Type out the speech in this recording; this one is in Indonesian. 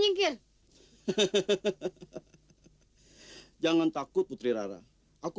dan semuanya lebih menarik diriku